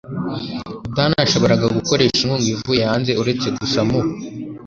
rutanashoboraga gukoresha inkunga ivuye hanze uretse gusa mu